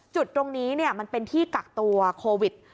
จุดตรงนี้มันเป็นที่กักตัวโควิด